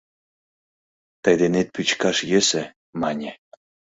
«Тый денет пӱчкаш йӧсӧ, — мане.